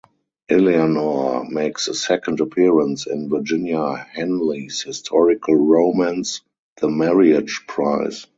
Eleanor makes a second appearance in Virginia Henley's historical romance "The Marriage Prize".